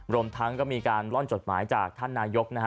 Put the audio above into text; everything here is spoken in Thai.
รวมทั้งก็มีการล่อนจดหมายจากท่านนายกนะฮะ